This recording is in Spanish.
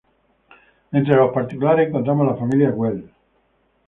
Entre los particulares encontramos la familia Güell.